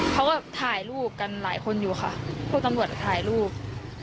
เขาก็ถ่ายรูปกันหลายคนอยู่ค่ะพวกตำรวจถ่ายรูป